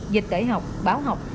dịch tẩy học báo học